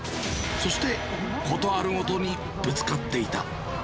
そして、事あるごとにぶつかっていた。